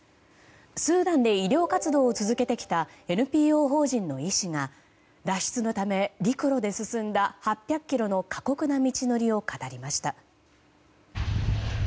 スーダンで医療活動を続けてきたＮＰＯ法人の医師が脱出のため陸路で進んだ８００ｋｍの過酷な道のりを語りました。